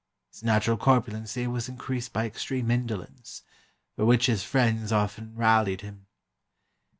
His natural corpulency was increased by extreme indolence, for which his friends often rallied him.